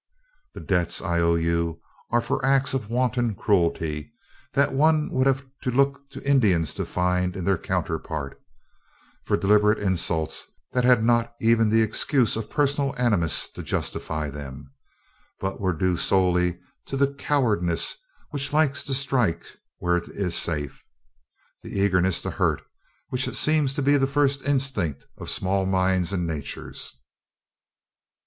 "The debts I owe to you are for acts of wanton cruelty that one would have to look to Indians to find their counterpart, for deliberate insults that had not even the excuse of personal animus to justify them, but were due solely to the cowardice which likes to strike where it is safe the eagerness to hurt, which seems to be the first instinct of small minds and natures.